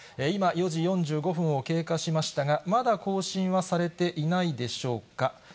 今、４時４５分を経過しましたが、まだ更新はされていないでしょうか。